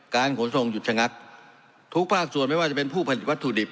ขนส่งหยุดชะงักทุกภาคส่วนไม่ว่าจะเป็นผู้ผลิตวัตถุดิบ